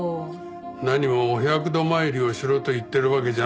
何もお百度参りをしろと言ってるわけじゃない。